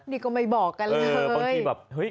นี่ก็ไม่บอกกันเลย